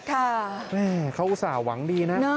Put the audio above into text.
แม่เขาอุตส่าห์หวังดีนะ